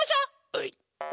はい！